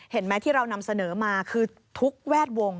เห็นไหมที่เรานำเสนอมาคือทุกแวดวง